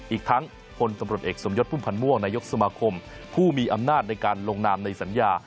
อีกทั้งพลตำรวจเอกสมยศพุ่มพันธ์ม่วงนายกสมาคมผู้มีอำนาจในการลงนามในสัญญา